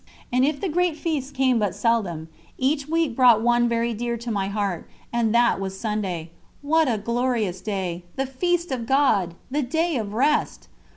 And if the great feasts came but seldom, each week brought one very dear to my heart, and that was Sunday. What a glorious day! The Feast of God! The day of rest!